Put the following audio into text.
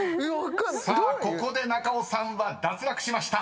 ［さあここで中尾さんは脱落しました］